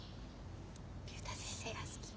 竜太先生が好き。